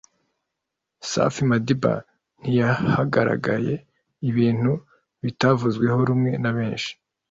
Safi Madiba ntiyahagaragaye ibintu bitavuzweho rumwe na benshi